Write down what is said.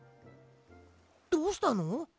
どうしたの？